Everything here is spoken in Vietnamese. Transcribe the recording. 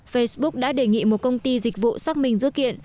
facebook đã đề nghị một công ty dịch vụ xác minh dự kiện